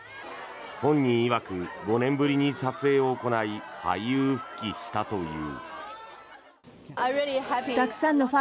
本人いわく５年ぶりに撮影を行い俳優復帰したという。